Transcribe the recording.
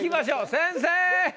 先生！